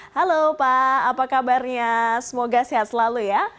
halo pak apa kabarnya semoga sehat selalu ya